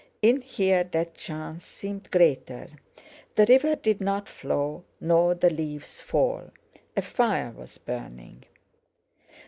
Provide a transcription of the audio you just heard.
In here that chance seemed greater; the river did not flow, nor the leaves fall. A fire was burning.